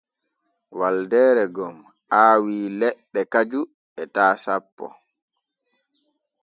Waldeere gom aawii leɗɗe kaju etaa sanpo.